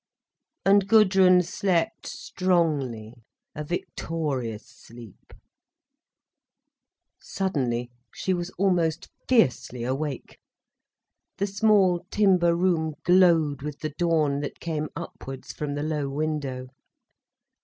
And Gudrun slept strongly, a victorious sleep. Suddenly, she was almost fiercely awake. The small timber room glowed with the dawn, that came upwards from the low window.